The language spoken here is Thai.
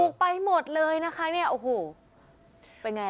ถูกไปหมดเลยนะคะเนี้ยโอ้โหเป็นไงแล้ว